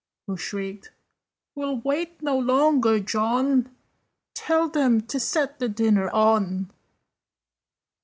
Who shrieked "We'll wait no longer, John! Tell them to set the dinner on!"